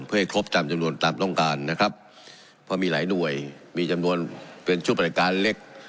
เพื่อให้ครบตามจำนวนตามต้องการนะครับเพราะมีหลายหน่วยมีจำนวนเป็นชุดบริการเล็ก